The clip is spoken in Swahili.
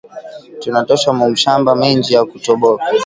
Tuna tosha mu mashamba minji ya ku toboka